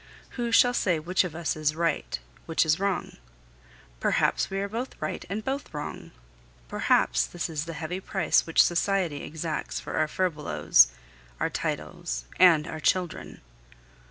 Who shall say which of us is right, which is wrong? Perhaps we are both right and both wrong. Perhaps this is the heavy price which society exacts for our furbelows, our titles, and our children.